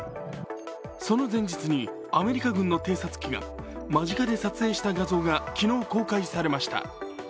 その前日にアメリカ軍の偵察機が間近で撮影した画像が昨日、公開されました。